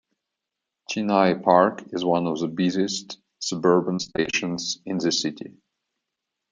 Chennai Park is one of the busiest suburban stations in the city.